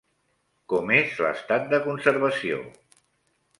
Com és l'estat de conservació?